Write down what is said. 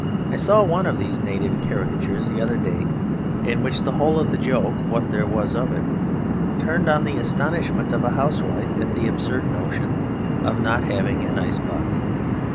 I saw one of these narrative caricatures the other day in which the whole of the joke (what there was of it) turned on the astonishment of a housewife at the absurd notion of not having an ice box.